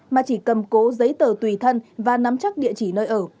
mà chỉ cầm cố giấy tờ tùy thân và nắm chắc địa chỉ nơi ở